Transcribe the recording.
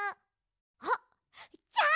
あっじゃあ。